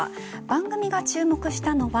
番組が注目したのは